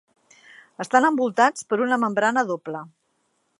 Estan envoltats per una membrana doble.